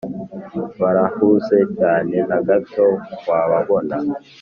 barahuze cyane natgo wababona.